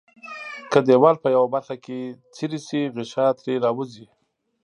که دیوال په یوه برخه کې څیري شي غشا ترې راوځي.